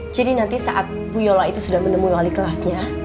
jadi nanti saat bu yola itu sudah menemui wali kelasnya